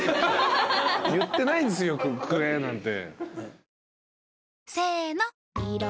言ってないんすよ「くれ」なんて。